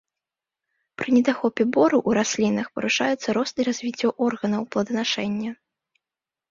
Пры недахопе бору ў раслінах парушаюцца рост і развіццё органаў плоданашэння.